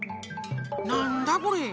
なんだこれ？